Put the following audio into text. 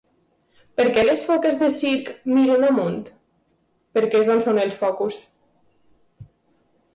Per què les foques del circ miren amunt? Perquè és on són els focus.